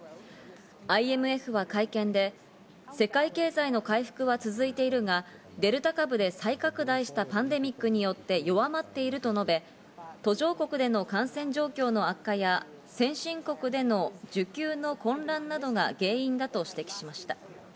ＩＭＦは会見で世界経済の回復は続いているが、デルタ株で再拡大したパンデミックによって弱まっていると述べ、途上国での感染状況の悪化や、先進国での需給の混乱などが原因だと指摘しました。